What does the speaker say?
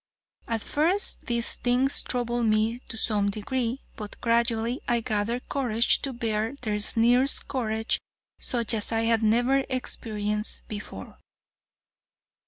At first these things troubled me to some degree, but gradually I gathered courage to bear their sneers courage such as I had never experienced before.